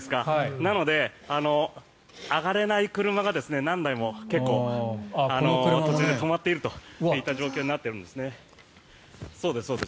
なので、上がれない車が何台も結構途中で止まっている状況になっているんです。